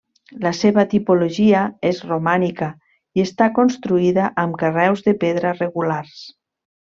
La seva tipologia és romànica i està construïda amb carreus de pedra regulars.